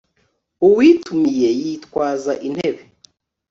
uwitumiye yitwaza intebe